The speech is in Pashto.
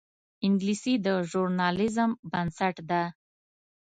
انګلیسي د ژورنالیزم بنسټ ده